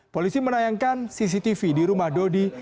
polisi menayangkan cctv di rumah dodi